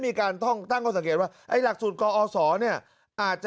มีการต้องตั้งข้อสังเกตว่าไอ้หลักสูตรกอศเนี่ยอาจจะ